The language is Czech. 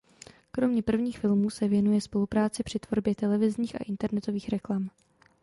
Kromě prvních filmů se věnuje spolupráci při tvorbě televizních a internetových reklam.